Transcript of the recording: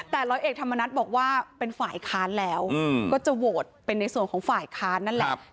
แต่ร้อยเอกธรรมนัฏบอกว่าเป็นฝ่ายค้านแล้วก็จะโหวตเป็นในส่วนของฝ่ายค้านนั่นแหละ